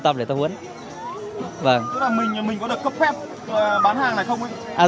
mình có được cấp phép bán hàng này không